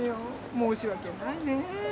申しわけないね。